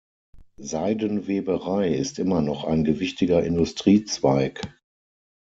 Seidenweberei ist immer noch ein gewichtiger Industriezweig.